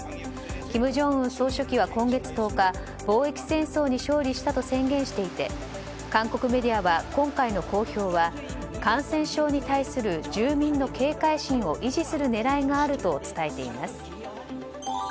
金正恩総書記は今月１０日防疫戦争に勝利したと宣言していて韓国メディアは今回の公表は感染症に対する住民の警戒心を維持する狙いがあると伝えています。